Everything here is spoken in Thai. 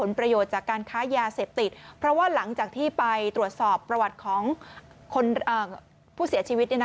ประโยชน์จากการค้ายาเสพติดเพราะว่าหลังจากที่ไปตรวจสอบประวัติของผู้เสียชีวิต